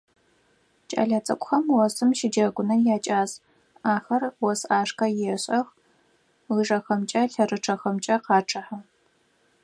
Кӏэлэцӏыкӏухэм осым щыджэгуныр якӏас: ахэр ос ӏашкӏэ ешӏэх, лыжэхэмкӏэ, лъэрычъэхэмкӏэ къачъыхьэ.